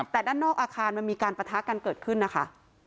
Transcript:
แต่ด้านนอกอาคารมันมีการปะทะกันเกิดขึ้นนะคะ